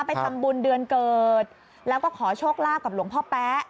ไปทำบุญเดือนเกิดแล้วก็ขอโชคลาภกับหลวงพ่อแป๊ะ